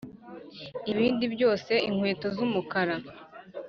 ibindi byose, inkweto z'umukara